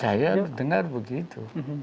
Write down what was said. saya dengar begitu